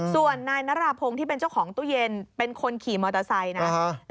ส่วนนายนราพงศ์ที่เป็นเจ้าของตู้เย็นเป็นคนขี่มอเตอร์ไซค์นะ